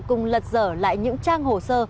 cùng lật dở lại những trang hồ sơ